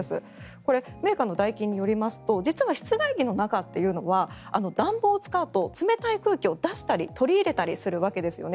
これ、メーカーのダイキンによりますと実は室外機の中というのは暖房を使うと冷たい空気を出したり取り入れたりするわけですね。